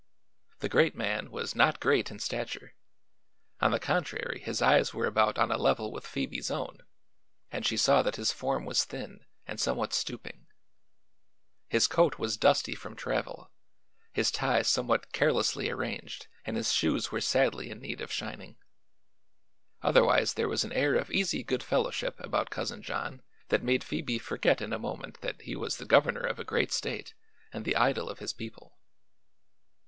The Great Man was not great in stature; on the contrary his eyes were about on a level with Phoebe's own and she saw that his form was thin and somewhat stooping. His coat was dusty from travel, his tie somewhat carelessly arranged and his shoes were sadly in need of shining. Otherwise there was an air of easy goodfellowship about Cousin John that made Phoebe forget in a moment that he was the governor of a great state and the idol of his people.